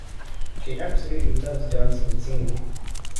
She absolutely loves dancing and singing.